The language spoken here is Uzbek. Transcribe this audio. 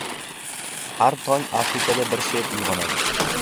Har tong Afrikada bir sher uygʻonadi.